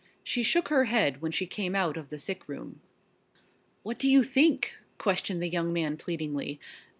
She shook her head when she came out of the sick room. "What do you think?" questioned the young man pleadingly.